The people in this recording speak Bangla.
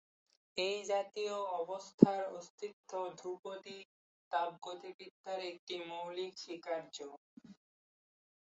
এই জাতীয় অবস্থার অস্তিত্ব ধ্রুপদী তাপগতিবিদ্যার একটি মৌলিক স্বীকার্য।